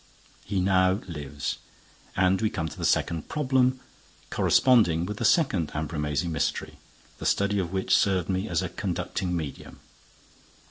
He now lives. And we come to the second problem, corresponding with the second Ambrumésy mystery, the study of which served me as a conducting medium.